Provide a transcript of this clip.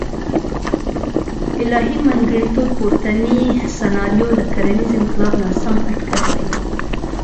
الهي منځګړیتوب پورتنۍ سناریو د کرنیز انقلاب ناسم اټکل ښیي.